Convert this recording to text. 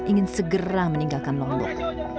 ingin segera meninggalkan lombok